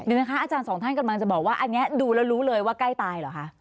เดี๋ยวนะคะอาจารย์สองท่านกำลังจะบอกว่าอันนี้ดูแล้วรู้เลยว่าใกล้ตายเหรอคะ